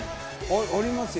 ありますよ。